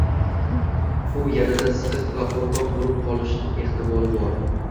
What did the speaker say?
- u yanada siqiq va qo‘rqoq bo‘lib qolishi ehtimoli bor.